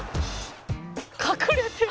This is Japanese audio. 「隠れてる！」